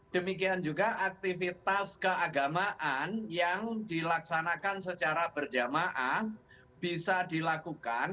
demikian juga aktivitas keagamaan yang dilaksanakan secara berjamaah bisa dilakukan